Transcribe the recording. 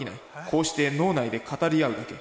「こうして脳内で語り合うだけ」。